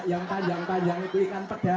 yang panjang panjang itu ikan pedas